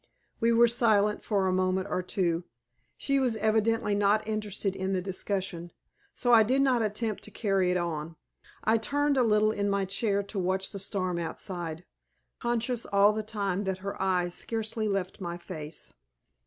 We were silent for a moment or two. She was evidently not interested in the discussion, so I did not attempt to carry it on. I turned a little in my chair to watch the storm outside, conscious all the time that her eyes scarcely left my face.